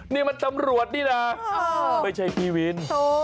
นี่มันตำรวจนี่นะไม่ใช่พี่วิน